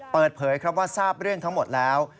เปิดเผยครับว่าทราบเรื่องทั้งหมดแล้ว